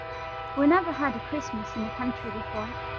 We never had a Christmas in the country before.